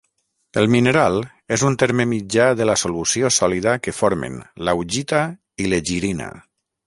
El mineral és un terme mitjà de la solució sòlida que formen l'augita i l'egirina.